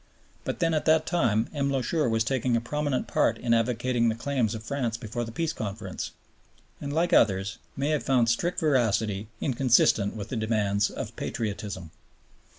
But then at that time M. Loucheur was taking a prominent part in advocating the claims of France before the Peace Conference, and, like others, may have found strict veracity inconsistent with the demands of patriotism.